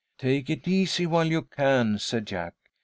"Take it easy while you can," said Jack.